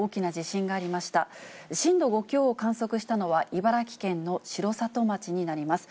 震度５強を観測したのは茨城県の城里町になります。